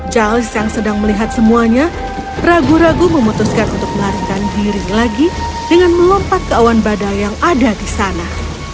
charles yang sedang melihat semuanya ragu ragu memutuskan untuk melarikan diri lagi dengan melompat ke awan badai yang ada di sana